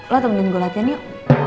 lo temenin gue latihan yuk